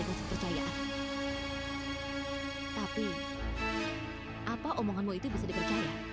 tapi apa omonganmu itu bisa dipercaya